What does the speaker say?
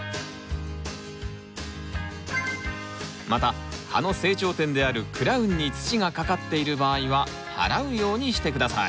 また葉の成長点であるクラウンに土がかかっている場合ははらうようにして下さい。